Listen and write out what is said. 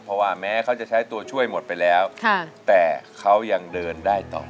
เพราะว่าแม้เขาจะใช้ตัวช่วยหมดไปแล้วแต่เขายังเดินได้ต่อ